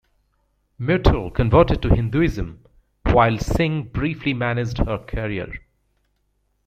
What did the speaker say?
Myrtle converted to Hinduism, while Singh briefly managed her career.